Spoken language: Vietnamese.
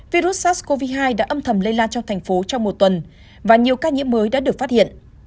virus sars cov hai đã âm thầm lây lan trong thành phố trong một tuần và nhiều ca nhiễm mới đã được phát hiện